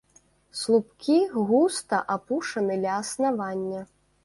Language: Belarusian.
Слупкі густа апушаны ля аснавання.